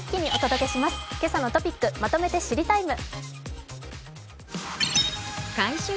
「けさのトピックまとめて知りＴＩＭＥ，」。